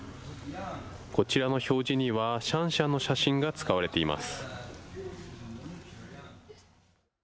こちらの表示にはシャンシャンの写真が使われています。